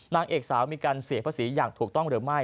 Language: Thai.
นางเอกสาวมีการเสียภาษีอย่างถูกต้องหรือไม่